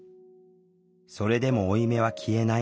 それでも負い目は消えない。